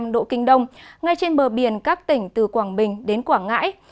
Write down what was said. một trăm linh độ kinh đông ngay trên bờ biển các tỉnh từ quảng bình đến quảng ngãi